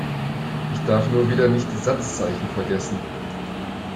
Ich darf nur wieder nicht die Satzzeichen vergessen.